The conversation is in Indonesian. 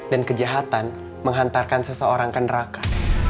dan kejahatan menghantarkan seseorang ke neraka